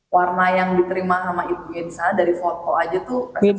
warna yang diterima sama ibunya di sana dari foto aja tuh